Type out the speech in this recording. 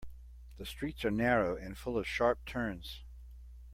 The streets are narrow and full of sharp turns.